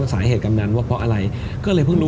สาเหตุกำนันว่าเพราะอะไรก็เลยเพิ่งรู้